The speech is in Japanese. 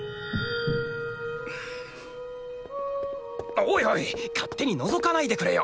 おいおい勝手にのぞかないでくれよ。